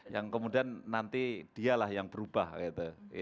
yang kemudian nanti dialah yang berubah gitu